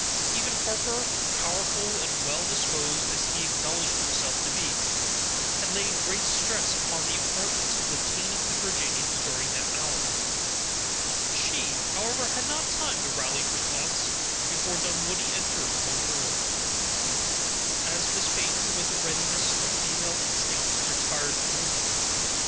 Even Harper, powerful and well disposed as he acknowledged himself to be, had laid great stress upon the importance of detaining the Virginians during that hour. She, however, had not time to rally her thoughts, before Dunwoodie entered one door, as Miss Peyton, with the readiness of female instinct, retired through another.